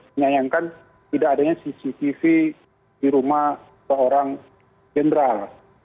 menyayangkan tidak adanya cctv di rumah seorang jenderal